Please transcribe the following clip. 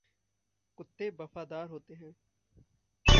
कुत्ते वफ़ादार होते हैं।